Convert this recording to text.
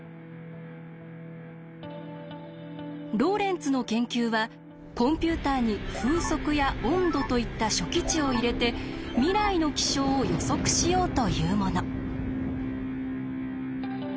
ローレンツの研究はコンピューターに風速や温度といった初期値を入れて未来の気象を予測しようというもの。